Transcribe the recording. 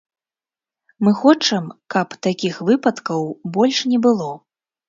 Мы хочам, каб такіх выпадкаў больш не было.